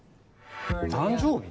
誕生日？